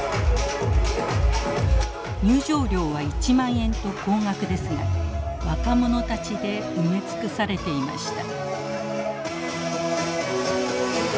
入場料は１万円と高額ですが若者たちで埋め尽くされていました。